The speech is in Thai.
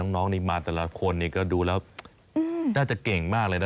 น้องนี่มาแต่ละคนก็ดูแล้วน่าจะเก่งมากเลยนะ